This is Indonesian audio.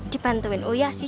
dipantuin uya sih